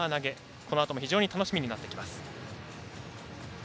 このあとも非常に楽しみになってきます。